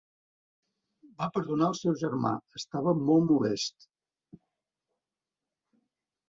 Va perdonar el seu germà: estava molt molest.